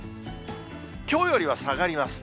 きょうよりは下がります。